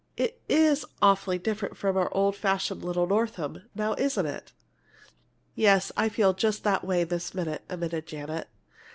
It is awfully different from our old fashioned little Northam now isn't it?" "Yes, I feel just that way this minute," admitted Janet.